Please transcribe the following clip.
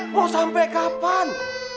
mau sampai kapan